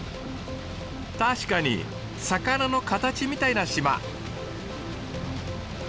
確かに魚の形みたいな島。